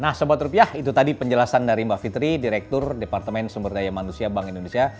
nah sebat rupiah itu tadi penjelasan dari mbak fitri direktur departemen sumber daya manusia bank indonesia